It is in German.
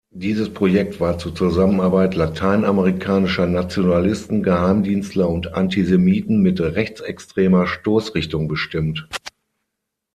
Dieses Projekt war zur Zusammenarbeit lateinamerikanischer Nationalisten, Geheimdienstler und Antisemiten mit rechtsextremer Stoßrichtung bestimmt.